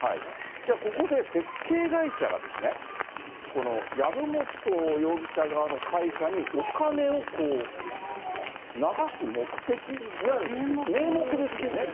じゃあここで、設計会社がこの籔本容疑者側の会社にお金を流す目的、いわゆる名目ですよね。